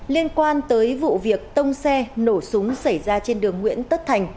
liên quan tới vụ việc tông xe nổ súng xảy ra trên đường nguyễn tất thành